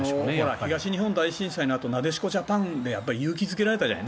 東日本大震災のあとになでしこジャパンで勇気付けられたじゃない。